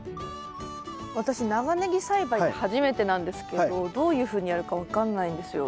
私長ネギ栽培初めてなんですけどどういうふうにやるか分かんないんですよ。